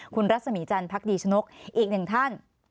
คุณรัศมีจันทร์พักดีชนกอีกหนึ่งท่าน